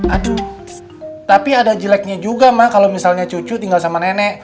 aduh tapi ada jeleknya juga mak kalau misalnya cucu tinggal sama nenek